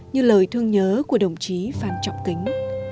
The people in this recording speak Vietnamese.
như lời thương nhớ của đồng chí phan trọng kính